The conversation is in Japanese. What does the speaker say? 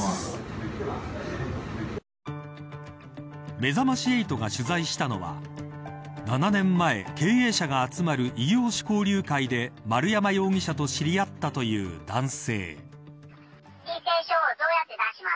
めざまし８が取材したのは７年前、経営者が集まる異業種交流会で丸山容疑者と知り合ったという男性。